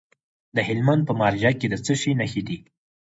د هلمند په مارجه کې د څه شي نښې دي؟